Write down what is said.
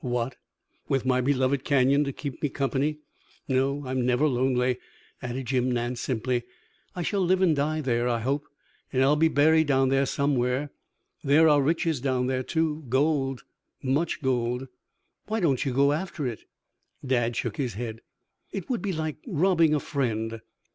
"What, with my beloved Canyon to keep me company? No, I am never lonely," added Jim Nance simply. "I shall live and die there I hope, and I'll be buried down there somewhere There are riches down there too. Gold much gold " "Why don't you go after it " Dad shook his head. "It would be like robbing a friend.